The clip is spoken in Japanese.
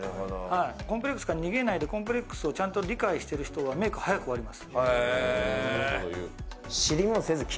コンプレックスから逃げないでコンプレックスをちゃんと理解している人はメイク、早く終わります。